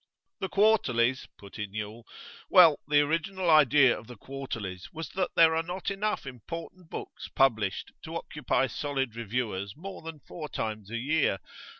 'The quarterlies?' put in Yule. 'Well, the original idea of the quarterlies was that there are not enough important books published to occupy solid reviewers more than four times a year.